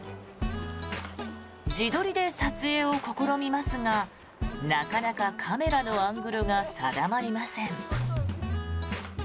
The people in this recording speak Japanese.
自撮りで撮影を試みますがなかなかカメラのアングルが定まりません。